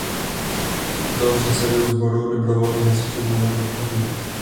Byl předsedou sboru dobrovolných hasičů v Novém Rychnově.